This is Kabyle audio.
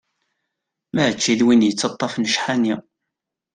Mačči d win yettaṭṭafen ccḥani.